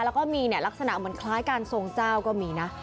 แล้วก็มีลักษณะเหมือนคล้ายการทรงเจ้าก็มีนะ